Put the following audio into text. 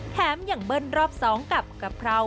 แถมอย่างเบิ่นรอบซ้องกับกะพราว